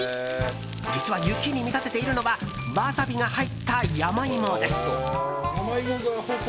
実は、雪に見立てているのはワサビが入った山芋です。